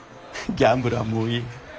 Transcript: ギャンブルはもういい。